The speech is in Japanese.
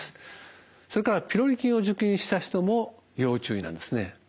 それからピロリ菌を除菌した人も要注意なんですね。